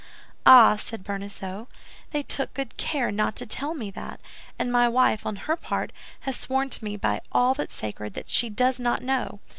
"Ah!" said Bonacieux, "they took good care not to tell me that; and my wife, on her part, has sworn to me by all that's sacred that she does not know.